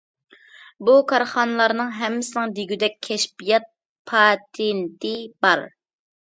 بۇ كارخانىلارنىڭ ھەممىسىنىڭ دېگۈدەك كەشپىيات پاتېنتى بار.